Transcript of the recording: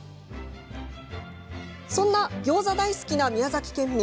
そんなギョーザ大好きな宮崎県民。